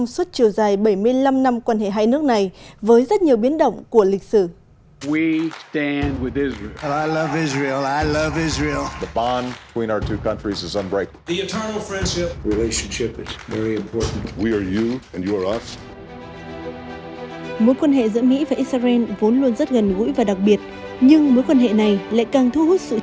xin chào và hẹn gặp lại các bạn trong những video tiếp theo